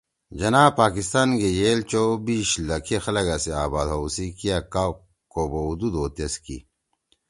جناح پاکستان گے یئیل چوَبیش لکھے خلگا سی آباد ہَؤ سی کیا کا ہوبھؤدُود او تیس کی